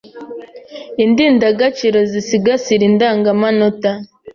Indindagaciro zisigasira indangamanota